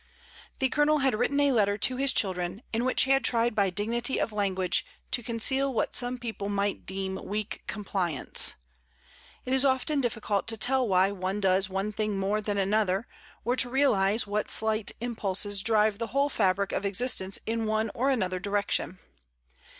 The Colonel had written a letter to his children, in which he had tried by dignity of language to conceal what some people might deem weak compliance. It is often difficult to tell why one does one thing more than another, or to realise what slight impulses (irive the whole fabric of existence in one or another direction.